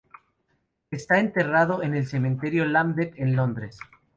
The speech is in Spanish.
Está enterrado en el Cementerio Lambeth, en Londres.